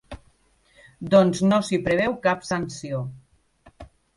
Doncs no s’hi preveu cap sanció.